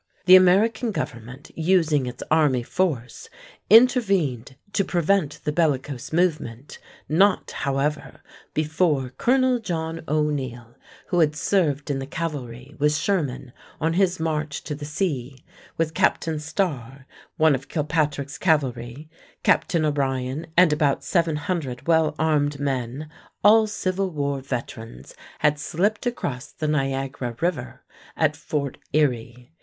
The American government, using its army force, intervened to prevent the bellicose movement, not, however, before Colonel John O'Neill, who had served in the cavalry with Sherman on his march to the sea, with Captain Starr, one of Kilpatrick's cavalry, Captain O'Brien, and about 700 well armed men, all Civil War veterans, had slipped across the Niagara River at Fort Erie.